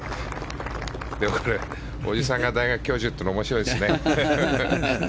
おじさんが大学教授っていうのも面白いですね。